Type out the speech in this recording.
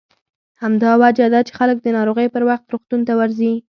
همدا وجه ده چې خلک د ناروغۍ پر وخت روغتون ته ورځي.